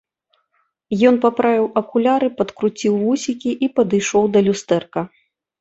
Ён паправіў акуляры, падкруціў вусікі і падышоў да люстэрка.